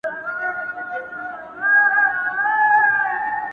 • یو دی ښه وي نور له هر چا ګیله من وي -